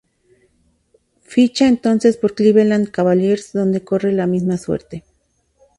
Ficha entonces por Cleveland Cavaliers, donde corre la misma suerte.